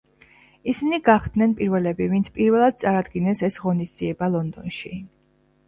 ისინი გახდნენ პირველები, ვინც პირველად წარადგინეს ეს ღონისძიება ლონდონში.